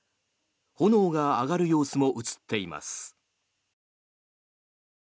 炎が上がる様子も映っています。